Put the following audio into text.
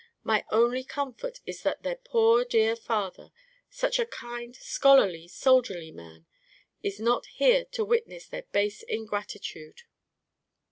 My only comfort is that their poor dear father—such a kind, scholarly, soldierly man—is not here to witness their base ingratitude."